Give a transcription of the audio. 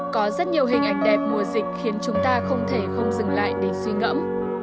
có rất nhiều hình ảnh đẹp mùa dịch khiến chúng ta không thể không dừng lại để suy ngẫm